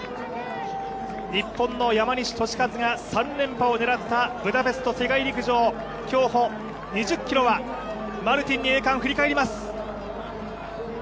日本の山西利和が３連覇を狙ったブダペスト世界陸上、競歩２０ｋｍはマルティンに栄冠振り返ります。